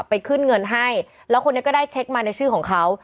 ไปขึ้นเงินให้แล้วคนนี้ก็ได้เช็คมาในชื่อของเขา